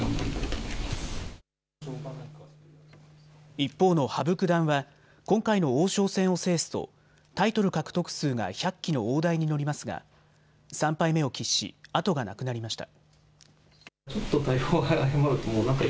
一方の羽生九段は今回の王将戦を制すとタイトル獲得数が１００期の大台に乗りますが３敗目を喫し後がなくなりました。